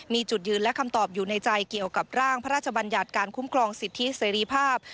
มีจุดยืนและคำตอบอยู่ในใจเกี่ยวกับร่างพระราชบัญญัติการคุ้มครองสิทธิเสรีภาพ